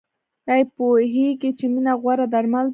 ایا پوهیږئ چې مینه غوره درمل ده؟